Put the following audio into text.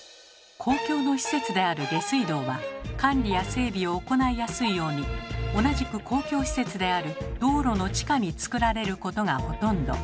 公共の施設である下水道は管理や整備を行いやすいように同じく公共施設である道路の地下につくられることがほとんど。